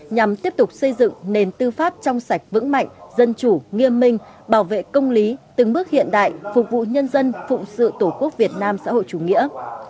nhằm tiếp tục xây dựng nền tư pháp trong sạch vững mạnh dân chủ nghiêm minh bảo vệ công lý từng bước hiện đại phục vụ nhân dân phụng sự tổ quốc việt nam xã hội chủ nghĩa